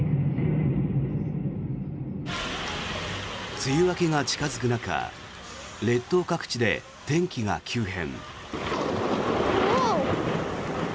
梅雨明けが近付く中列島近くで天気が急変。